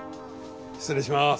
失礼しまーす。